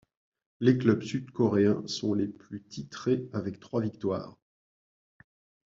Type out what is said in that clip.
Les clubs sud-coréens sont les plus titrés avec trois victoires.